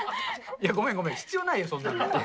ごめん、ごめん、必要ないよ、そんなに。